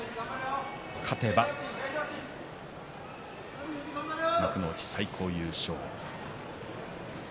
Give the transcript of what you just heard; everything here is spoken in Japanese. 勝てば幕内最高優勝です。